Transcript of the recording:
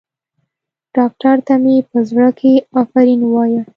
ډاکتر ته مې په زړه کښې افرين ووايه.